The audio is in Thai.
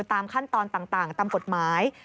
ตามขั้นตอนต่างตามกฎหมาย